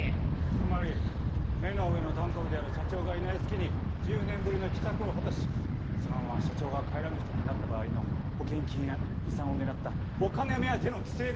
つまり目の上のたんこぶである社長がいない隙に１０年ぶりの帰宅を果たしそのまま社長が帰らぬ人となった場合の保険金や遺産を狙ったお金目当ての帰省であると？